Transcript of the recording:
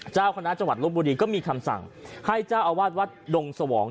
เจ้าคณะจังหวัดลบบุรีก็มีคำสั่งให้เจ้าอาวาสวัดดงสวอง